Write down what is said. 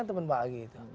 teman bang egy itu